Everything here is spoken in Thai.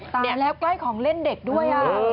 แล้วใกล้ของเล่นเด็กด้วย